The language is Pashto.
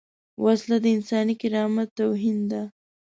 وسله د انساني کرامت توهین ده